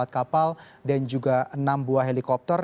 empat puluh empat kapal dan juga enam buah helikopter